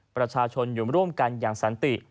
ประชาชนอยู่ร่วมกันอย่างสันติ